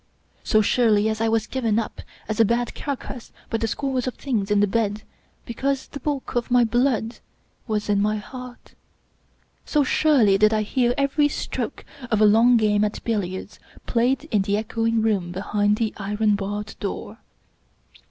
So surely as I was given up as a bad carcass by the scores of things in the bed because the bulk of my blood was in my heart, so surely did I hear every stroke of a long game at billiards played in the echoing room behind the iron barred door.